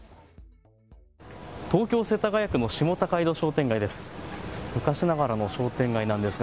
東京世田谷区の下高井戸商店街です。